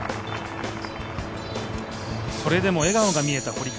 それでも笑顔が見えた堀川。